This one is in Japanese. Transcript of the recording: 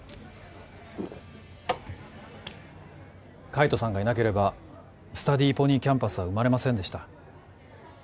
海斗さんがいなければスタディーポニーキャンパスは生まれませんでした